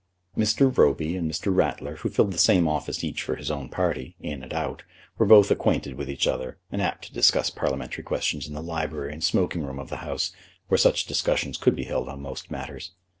Mr. Roby and Mr. Ratler, who filled the same office each for his own party, in and out, were both acquainted with each other, and apt to discuss parliamentary questions in the library and smoking room of the House, where such discussions could be held on most matters.